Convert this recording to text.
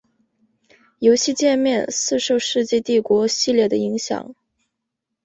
游戏介面似受世纪帝国系列的影响。